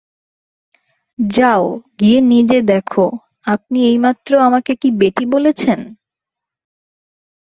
যাও গিয়ে নিজে দেখো আপনি এইমাত্র আমাকে কী বেটি বলেছেন?